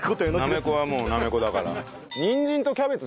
なめこはもうなめこだから。